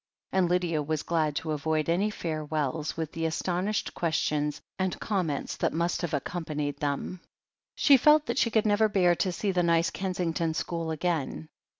And Lydia was glad to avoid any farewells, with the astonished questions and comments that must have accompanied them. She felt that she could never bear to see the nice Kensington school again.